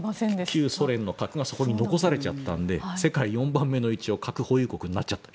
旧ソ連の核がそこに残されちゃったので世界４番目の核保有国になっちゃった。